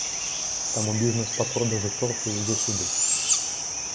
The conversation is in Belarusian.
Таму бізнес па продажы торфу ідзе сюды.